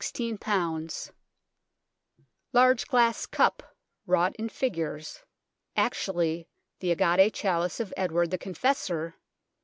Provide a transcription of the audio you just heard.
16 o o Large glass cup wrought in figures (actually the agate Chalice of Edward the Confessor)